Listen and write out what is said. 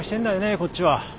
こっちは。